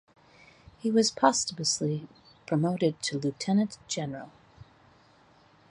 He was posthumously promoted to Lieutenant General.